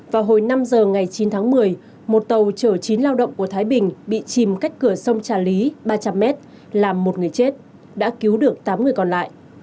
vào hồi năm giờ ngày chín tháng một mươi một tàu chở chín lao động của thái bình bị chìm cách cửa sông trà lý ba trăm linh m làm một người chết đã cứu được tám người còn lại